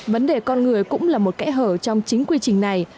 vấn đề con người cũng là một kẽ hở trong chính quy trình này